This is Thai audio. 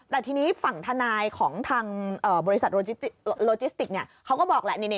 แต่ทีนี้ฝั่งทนายของทางบริษัทโลจิสติกเขาก็บอกแหละ